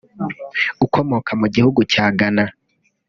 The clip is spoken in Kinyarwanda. ukomoka mu gihugu cya Ghana